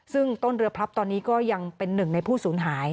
ซึ่งต้นเรือพลับตอนนี้ก็ยังเป็นหนึ่งในผู้สูญหาย